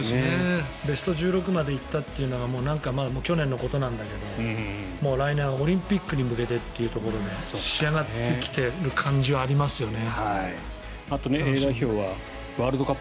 ベスト１６まで行ったというのが去年のことだけど来年はオリンピックに向けてというところで仕上がってきてる感じはありますよね。